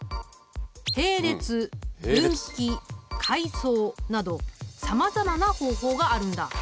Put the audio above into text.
並列分岐階層などさまざまな方法があるんだ。